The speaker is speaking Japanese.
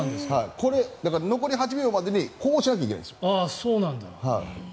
残り８秒までにこうしなきゃいけないんですよ。